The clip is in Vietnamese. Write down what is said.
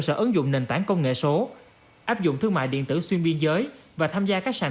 sở ứng dụng nền tảng công nghệ số áp dụng thương mại điện tử xuyên biên giới và tham gia các sản